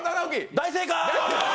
大正解！